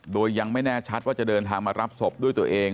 โดยยังไม่แน่ชัดว่าจะเดินทางมารับศพด้วยตัวเอง